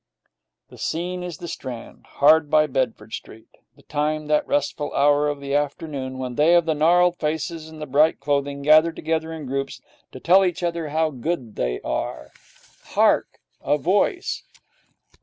The scene is the Strand, hard by Bedford Street; the time, that restful hour of the afternoon when they of the gnarled faces and the bright clothing gather together in groups to tell each other how good they are. Hark! A voice.